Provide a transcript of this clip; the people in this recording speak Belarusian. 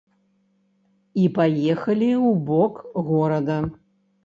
І паехалі ў бок горада.